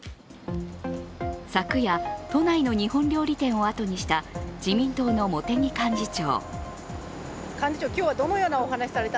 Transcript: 昨夜、都内の日本料理店を後にした自民党の茂木幹事長。